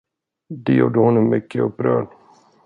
Det gjorde honom mycket upprörd.